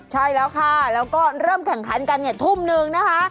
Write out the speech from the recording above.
ใช่แล้วค่ะแล้วก็เริ่มแข่งขันกันเนี่ยทุ่มนึงนะคะ